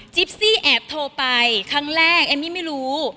ซี่แอบโทรไปครั้งแรกเอมมี่ไม่รู้